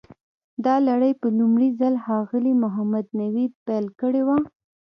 دا لړۍ په لومړي ځل ښاغلي محمد نوید پیل کړې وه.